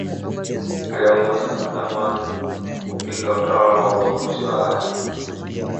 aliongoza maandamano kupinga utawala wa ubaguzi wa rangi